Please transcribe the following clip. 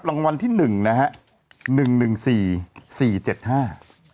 รางวัลที่หนึ่งนะฮะหนึ่งหนึ่งสี่สี่เจ็ดห้า